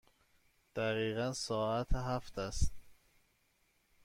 دقیقاً ساعت هفت است.